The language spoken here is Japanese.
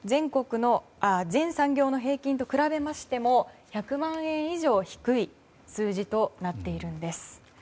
全産業の平均と比べましても１００万円以上低い数字となっているんです。